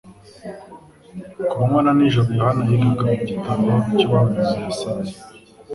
Ku manywa na nijoro Yohana yigaga mu gitabo cy'umuhanuzi Yesaya,